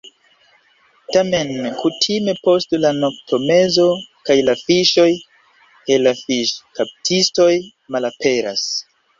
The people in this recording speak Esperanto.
Tamen kutime post la noktomezo kaj la fiŝoj, kaj la fiŝkaptistoj malaperas.